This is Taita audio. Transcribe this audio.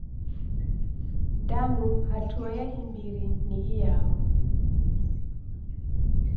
Danu hatua ya imbiri ni iyao?